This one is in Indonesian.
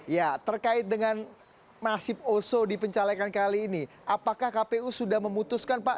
ya terkait dengan nasib oso di pencalekan kali ini apakah kpu sudah memutuskan pak